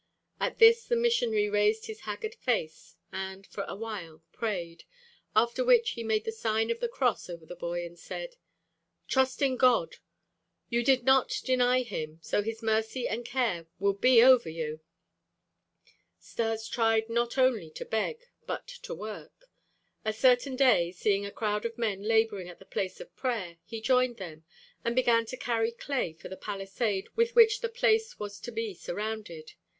At this the missionary raised his haggard face and for a while prayed; after which he made the sign of the cross over the boy and said: "Trust in God. You did not deny Him; so His mercy and care will be over you." Stas tried not only to beg, but to work. A certain day, seeing a crowd of men laboring at the place of prayer, he joined them, and began to carry clay for the palisade with which the place was to be surrounded.